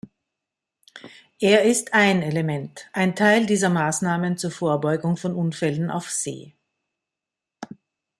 Er ist ein Element, ein Teil dieser Maßnahmen zur Vorbeugung von Unfällen auf See.